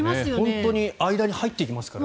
本当に間に入っていきますからね。